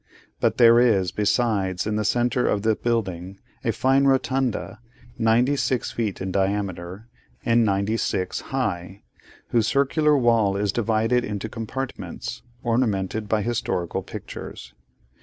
But there is, besides, in the centre of the building, a fine rotunda, ninety six feet in diameter, and ninety six high, whose circular wall is divided into compartments, ornamented by historical pictures.